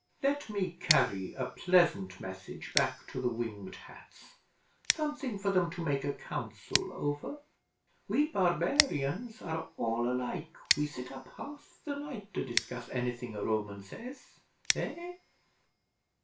Let me carry a pleasant message back to the Winged Hats something for them to make a council over. We barbarians are all alike. We sit up half the night to discuss anything a Roman says. Eh?"